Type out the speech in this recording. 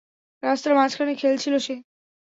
রাস্তার মাঝখানে খেলছিলো সে।